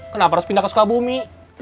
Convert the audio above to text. kenapa harus pindah ke sekolah bumi